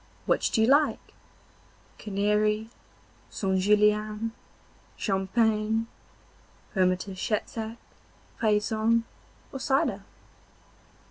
Which do you like, canary, St. Julien, champagne, hermitage sack, raisin, or cider?